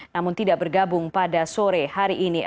namun tidak bergabung pada sore hari ini